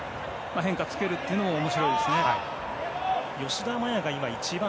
変化をつけるのも面白いですよね。